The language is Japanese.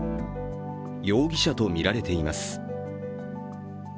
容疑者とみられています。